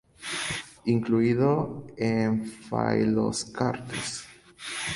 Incluido en "Phylloscartes".